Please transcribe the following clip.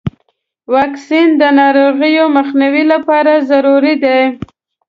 واکسین د ناروغیو مخنیوي لپاره ضروري دی.